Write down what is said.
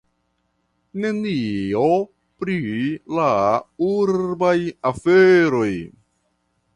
Nenio pri la urbaj aferoj.